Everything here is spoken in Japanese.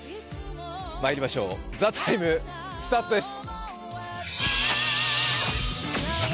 まいりましょう「ＴＨＥＴＩＭＥ，」スタートです。